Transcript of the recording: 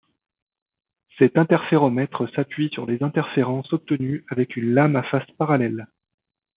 Cet interféromètre s'appuie sur les interférences obtenues avec une lame à faces parallèles.